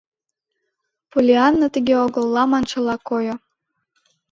Поллианна тыге огыл-ла маншыла койо.